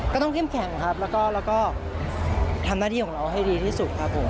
ก็ต้องเข้มแข็งครับแล้วก็ทำหน้าที่ของเราให้ดีที่สุดครับผม